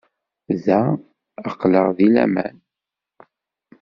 Da, aql-aɣ deg laman.